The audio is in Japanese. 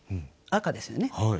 赤ですよね。